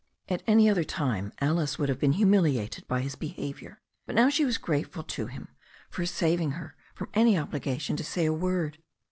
At any other time Alice would have been humiliated by his behaviour, but now she was grateful to him for saving her from any obligation to say a word.